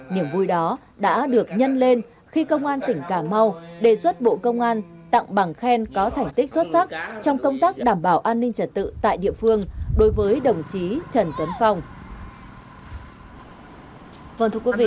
niềm vui đó đã được nhân lên khi công an tỉnh cà mau đề xuất bộ công an tặng bằng khen có thành tích xuất sắc trong công tác đảm bảo an ninh trật tự tại địa phương đối với đồng chí trần tuấn phong